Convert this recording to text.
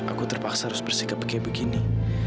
aku terpaksa harus bersikap kayak begini